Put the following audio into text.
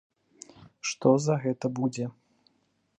Што за гэта будзе?